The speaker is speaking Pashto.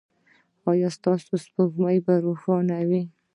ایا ستاسو سپوږمۍ به روښانه وي؟